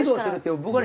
僕はね